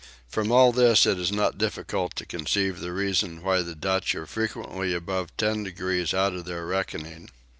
From all this it is not difficult to conceive the reason why the Dutch are frequently above ten degrees out in their reckoning.